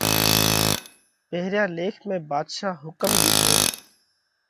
پيرهيان ليک ۾ ڀاڌشا حُڪم ۮِيڌو